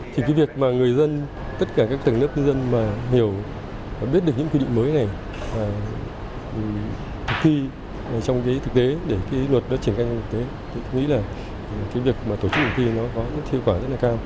thì cái việc mà người dân tất cả các tầng lớp dân mà hiểu và biết được những cái quy định mới này thực thi trong cái thực tế để cái luật nó trở thành như thế tôi nghĩ là cái việc mà tổ chức cuộc thi nó có những thiết quả rất là cao